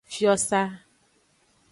Fiosa.